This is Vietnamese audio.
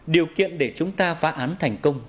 điều kiện để chúng ta phá án thành công